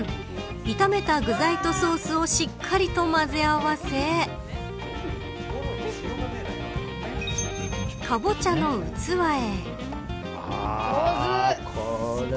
炒めた具材とソースをしっかりと混ぜ合わせカボチャの器へ。